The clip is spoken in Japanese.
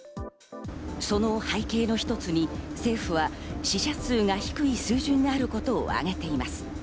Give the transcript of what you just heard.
その背景の一つに政府は死者数が低い水準にあることを挙げています。